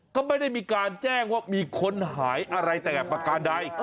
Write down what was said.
ก็ไม่ได้มีการแจ้งว่ามีคนหายอะไรแต่ประการใด